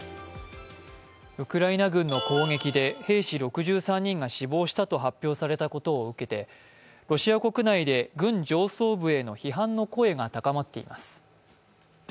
ウクライナ軍の攻撃で兵士６３人が死亡したと発表されたことを受けて、ロシア国内で軍上層部への批判の声が高まっています。